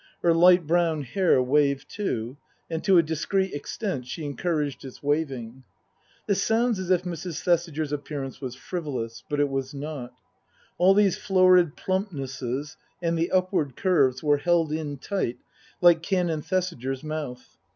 Her light brown hair waved, too, and to a discreet extent she encouraged its waving. This sounds as if Mrs. Thesiger's appearance was frivolous. But it was not. All these florid plumpnesses and the upward curves were held in tight, like Canon Thesiger's mouth.